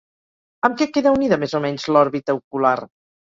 Amb què queda unida més o menys l'òrbita ocular?